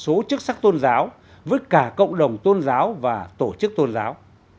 nhiều người đã đánh đồng thái độ chính sách tôn giáo với cả cộng đồng tôn giáo và tổ chức tôn giáo